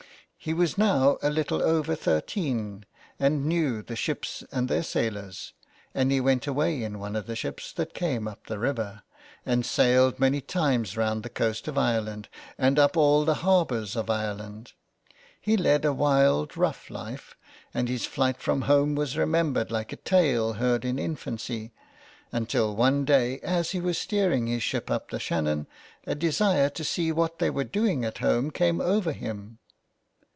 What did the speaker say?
He was now a little over thirteen, and knew the ships and their sailors, and he went away in one of the ships that came up the river, and sailed many times round the coast of Ireland, and up all the harbours of Ireland. He led a wild, rough life, and his flight from home was remembered like a tale heard in infancy, until one day, as he was steering his ship up the Shannon, a desire to see what they were doing at home came over him.